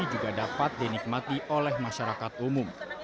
juga dapat dinikmati oleh masyarakat umum